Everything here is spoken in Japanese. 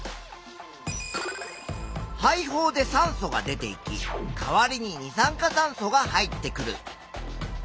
肺胞で酸素が出ていきかわりに二酸化炭素が入ってくる。